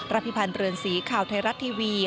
พิพันธ์เรือนสีข่าวไทยรัฐทีวี